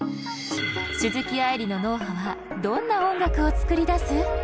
鈴木愛理の脳波はどんな音楽をつくり出す？